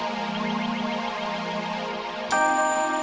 kalau enggak ibu bisa car